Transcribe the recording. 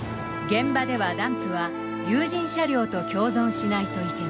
現場ではダンプは有人車両と共存しないといけない。